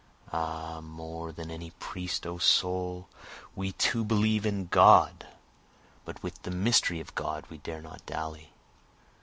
Ah more than any priest O soul we too believe in God, But with the mystery of God we dare not dally.